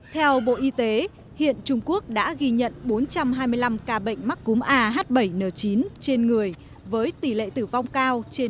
theo bộ y tế hiện trung quốc đã ghi nhận bốn trăm hai mươi năm ca bệnh mắc cúm ah bảy n chín trên người với tỷ lệ tử vong cao trên ba mươi